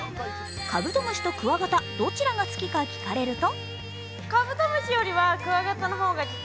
カブトムシとクワガタどちらが好きか聞かれると？